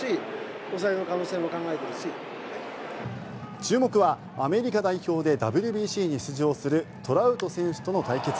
注目はアメリカ代表でＷＢＣに出場するトラウト選手との対決。